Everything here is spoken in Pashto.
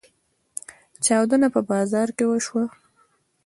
چاودنه په بازار کې وشوه.